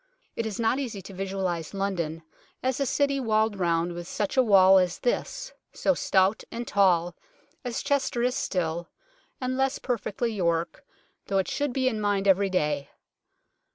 It is not easy to visualize London as a city walled round with such a wall as this, so stout and tall, as Chester is still, and less perfectly York, though it should be in mind every day.